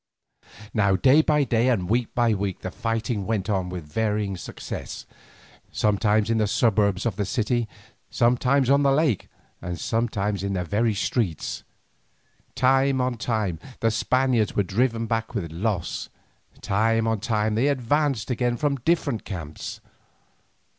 Now day by day and week by week the fighting went on with varying success, sometimes in the suburbs of the city, sometimes on the lake, and sometimes in the very streets. Time on time the Spaniards were driven back with loss, time on time they advanced again from their different camps.